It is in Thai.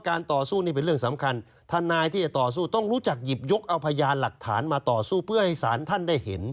ต่อสู้นี่เป็นเรื่องสำคัญทนายที่จะต่อสู้ต้องรู้จักหยิบยกเอาพยานหลักฐานมาต่อสู้เพื่อให้สารท่านได้เห็น